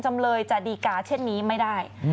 จำเลยจะดีกาเช่นนี้ไม่ได้